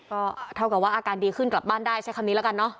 ก็เท่ากับว่าอาการดีขึ้นกลับบ้านได้ใช้คำนี้แล้วกันเนอะ